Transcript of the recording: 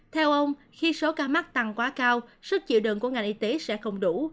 theo ông khi số ca mắc tăng quá cao sức chịu đựng của ngành y tế sẽ không đủ